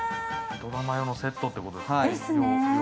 ドラマ用のセットということですね。